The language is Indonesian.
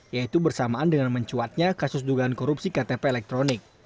yaitu bersamaan dengan mencuatnya kasus dugaan korupsi ktp elektronik